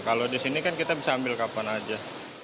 kalau di sini kan kita bisa ambil kapan aja